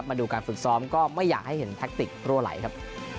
มาดูการฝึกซ้อมก็ไม่อยากให้เห็นแท็กติกรั่วไหลครับ